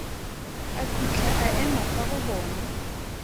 A fitlha a ema fa go bona.